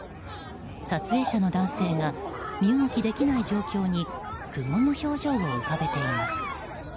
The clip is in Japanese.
撮影者の男性が身動きできない状況に苦悶の表情を浮かべています。